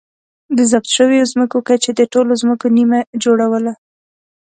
د ضبط شویو ځمکو کچې د ټولو ځمکو نییمه جوړوله